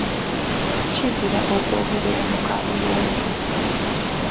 Kizira okwogerera mu kaabuyonjo.